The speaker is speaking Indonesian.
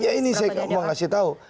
ya ini saya mau kasih tahu